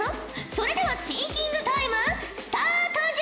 それではシンキングタイムスタートじゃ！